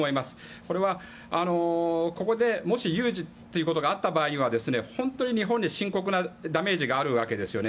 これは、ここでもし有事があった場合には本当に日本に深刻なダメージがあるわけですよね。